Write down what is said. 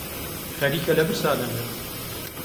خەریکە لە برسا دەمرم.